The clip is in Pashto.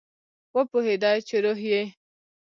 وپوهیده چې روح یې